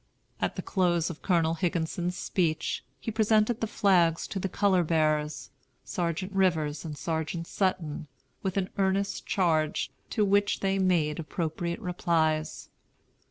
At the close of Colonel Higginson's speech, he presented the flags to the color bearers, Sergeant Rivers and Sergeant Sutton, with an earnest charge, to which they made appropriate replies.